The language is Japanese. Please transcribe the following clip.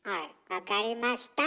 分かりました。